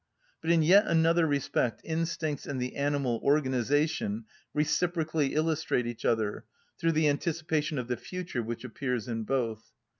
But in yet another respect instincts and the animal organisation reciprocally illustrate each other: through the anticipation of the future which appears in both.